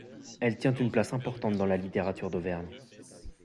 Elle tient une place importante dans la littérature d'Auvergne.